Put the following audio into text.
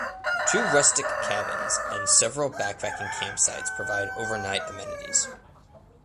Two rustic cabins and several backpacking campsites provide overnight amenities.